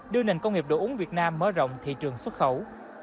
đưa nền công nghiệp đồ uống việt nam mở rộng thị trường xuất khẩu